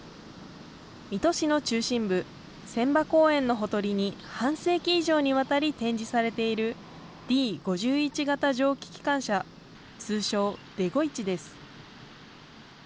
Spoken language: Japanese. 水戸市の中心部、千波公園のほとりに半世紀以上にわたり展示されているＤ５１型蒸気機関車、通称、デゴイチです。